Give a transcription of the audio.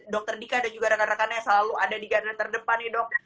dokter dika dan juga rekan rekannya yang selalu ada di ganteng terdepan nih dok